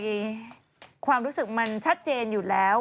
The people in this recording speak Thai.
ความรู้สึกมันชัดเจนอยู่แล้ว